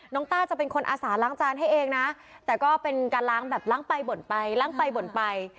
ต้าจะเป็นคนอาสาล้างจานให้เองนะแต่ก็เป็นการล้างแบบล้างไปบ่นไปล้างไปบ่นไป